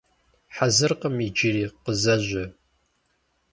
Хьэзыркъым иджыри, къызэжьэ.